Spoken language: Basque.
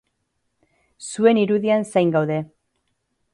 Zuen irudien zain gaude!